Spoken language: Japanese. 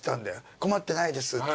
困ってないですって」